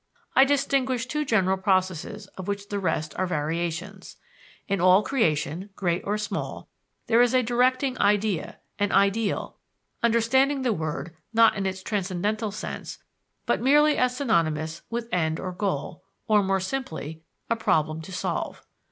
I distinguish two general processes of which the rest are variations. In all creation, great or small, there is a directing idea, an "ideal" understanding the word not in its transcendental sense, but merely as synonymous with end or goal or more simply, a problem to solve.